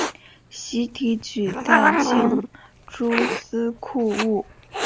徙提举在京诸司库务。